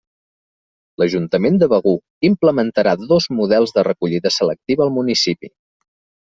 L'Ajuntament de Begur implementarà dos models de recollida selectiva al municipi.